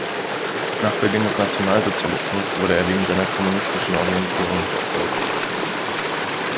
Nach Beginn des Nationalsozialismus wurde er wegen seiner kommunistischen Orientierung verfolgt.